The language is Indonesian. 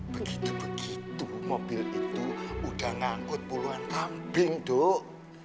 begitu begitu mobil itu udah ngangkut puluhan kambing dok